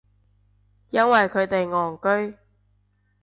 因為佢哋戇居